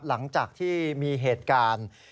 หลังจากที่มีเหตุการณ์